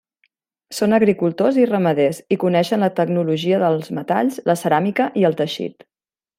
Són agricultors i ramaders i coneixen la tecnologia dels metalls, la ceràmica i el teixit.